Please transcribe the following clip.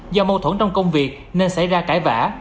do mâu thuẫn trong công việc nên xảy ra cãi vã